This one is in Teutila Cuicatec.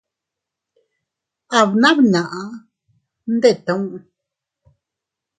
Abbnamnaʼa ndettu.